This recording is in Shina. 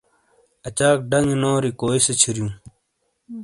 اچاک ڈنگے نوری کوئی سے چھُریئوں؟